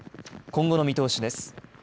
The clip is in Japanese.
今後の見通しです。